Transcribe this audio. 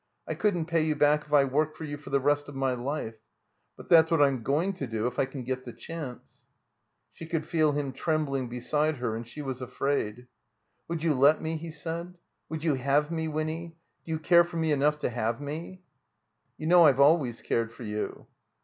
I couldn't pay you back if I worked for you for the rest of my life. But that's what I'm going to do if I can get the chance." She cotdd feel him trembling beside her and she wsis afraid. "Would you let me?" he said. "Would you have me, Winny? Do you care for me enough to have mer ?" You know I've alwajrs cared for you."